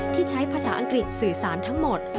ที่ใช้ภาษาอังกฤษสื่อสารทั้งหมด